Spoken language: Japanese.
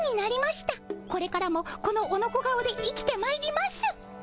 これからもこのオノコ顔で生きてまいります。